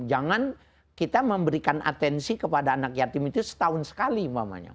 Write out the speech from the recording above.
jangan kita memberikan atensi kepada anak yatim itu setahun sekali umpamanya